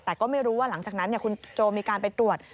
แต่ก็ไม่รู้ว่าหลังจากนั้นคุณโจมีการไปตรวจ